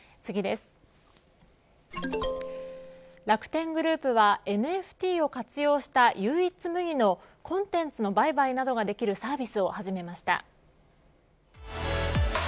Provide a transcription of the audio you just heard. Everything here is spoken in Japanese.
楽天グループはＮＦＴを活用した唯一無二のコンテンツの売買などができるサービスを始めました。